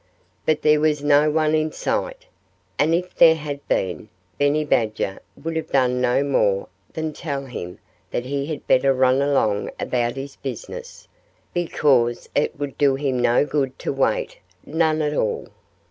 But there was no one in sight. And if there had been, Benny Badger would have done no more than tell him that he had better run along about his business, because it would do him no good to wait none at all.